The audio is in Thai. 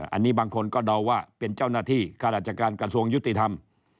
อันนี้บางคนก็เดาว่าเป็นเจ้าหน้าที่ข้าราชการกระทรวงยุติธรรม